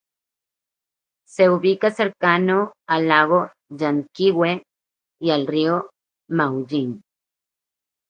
Se ubica cercano al Lago Llanquihue, y al Río Maullín.